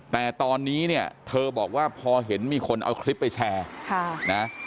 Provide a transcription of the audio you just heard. แต่ตอนนี้เนี่ยเธอบอกว่าพอเห็นมีคนเอาคลิปไปแชร์นะ